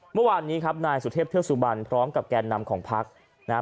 เมื่อวานนี้ครับนายสุเทพเที่ยวสุบันพร้อมกับแก่นนำของภักดิ์